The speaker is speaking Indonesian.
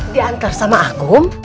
diantar sama akum